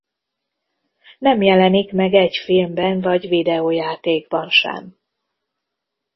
Nem jelenik meg egy filmben vagy videójátékban sem.